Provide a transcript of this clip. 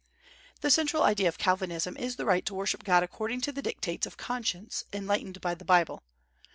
The central idea of Calvinism is the right to worship God according to the dictates of conscience, enlightened by the Bible.